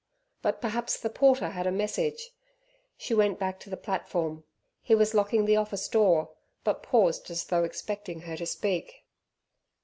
But perhaps the porter had a message! She went back to the platform. He was locking the office door, but paused as though expecting her to speak.